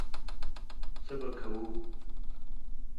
څه به کوو.